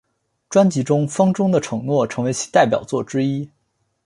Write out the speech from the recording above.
专辑中风中的承诺成为其代表作之一。